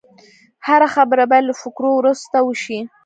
هره خبره باید له فکرو وروسته وشي